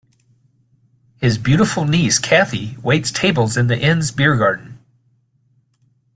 His beautiful niece Kathie waits tables in the inn's beer-garden.